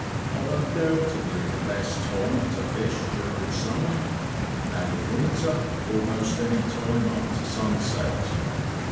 are undoubtedly the best times to fish during summer, and in winter almost any time up to sunset.